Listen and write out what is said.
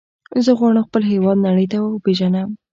زه غواړم خپل هېواد نړۍ ته وپیژنم.